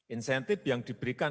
insentif yang diberikan